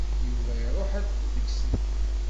Yuba iṛuḥ akk deg-sent.